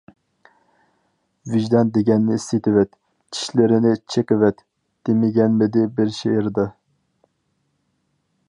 «ۋىجدان دېگەننى سېتىۋەت، چىشلىرىنى چېقىۋەت» دېمىگەنمىدى بىر شېئىردا.